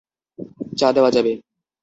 চা দেওয়া যাবে।